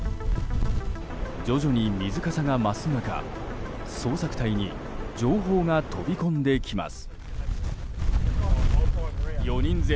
徐々に水かさが増す中、捜索隊に情報が飛び込んできます。